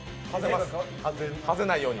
はぜないように。